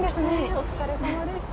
お疲れさまでした。